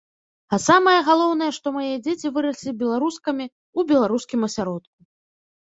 А самае галоўнае, што мае дзеці выраслі беларускамі ў беларускім асяродку.